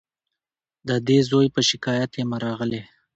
د دې زوی په شکایت یمه راغلې